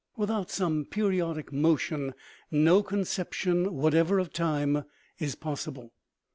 Without some periodic motion no conception whatever of time is possible.